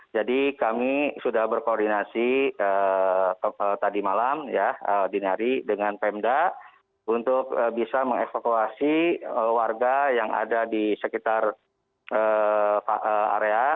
jadi kami sudah berkoordinasi tadi malam ya dinari dengan pemda untuk bisa mengevakuasi warga yang ada di sekitar area